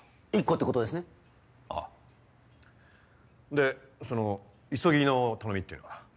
でその急ぎの頼みっていうのは？